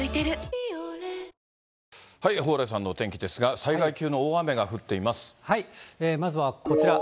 「ビオレ」蓬莱さんのお天気ですが、まずはこちら。